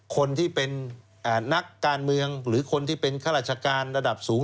คนที่เป็นนักการเมืองหรือคนที่เป็นข้าราชการระดับสูง